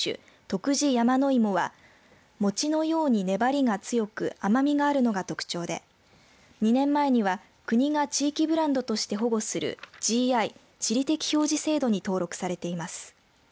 徳地やまのいもは餅のように粘りが強く甘みがあるのが特徴で２年前には国が地域ブランドとして保護するＧＩ＝地理的表示制度に登録されています。